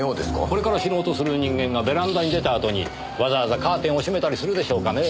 これから死のうとする人間がベランダに出たあとにわざわざカーテンを閉めたりするでしょうかね。